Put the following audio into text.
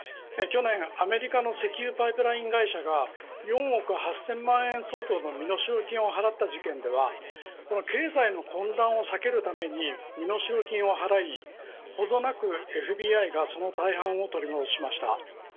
去年アメリカの石油パイプライン会社が４億８０００万円相当の身代金を払った事件では経済の混乱を避けるために身代金を払いほどなく、ＦＢＩがその大半を取り戻しました。